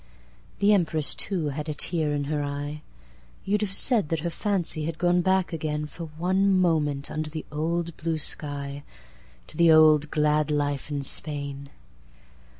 The Empress, too, had a tear in her eye. You 'd have said that her fancy had gone back again, For one moment, under the old blue sky, To the old glad life in Spain.